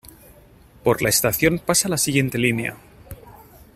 Por la estación pasa la siguiente línea